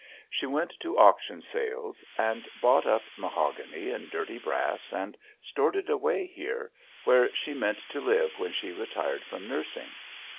She went to auction sales and bought up mahogany and dirty brass and stored it away here, where she meant to live when she retired from nursing.